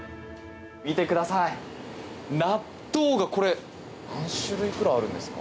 見てください、納豆がこれ何種類くらいあるんですか？